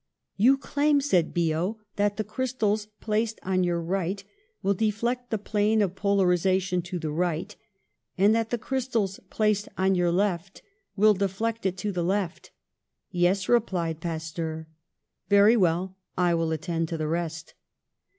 " 'You claim,' said Biot, 'that the crystals placed on your right will deflect the plane of polarisation to the right and that the crystals placed on your left will deflect it to the left?' " 'Yes,' replied Pasteur. " 'Very well, I will attend to the rest.'